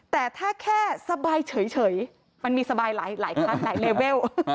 แต่ถ้าแค่สบายเฉยมันมีสบายหลายครั้งหลายเลเวล